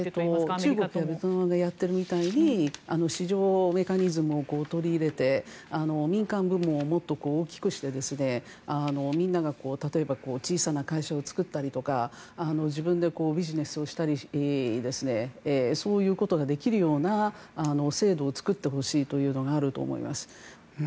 中国がベトナムにやっているみたいに市場メカニズムを取り入れて民間部門をもっと大きくしてみんなが例えば小さな会社を作ったりとか自分でビジネスをしたりそういうことができるような制度を作ってほしいというのがあると思います。